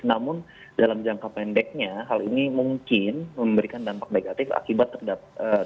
namun dalam jangka pendeknya hal ini mungkin memberikan dampak negatif akibat terdapat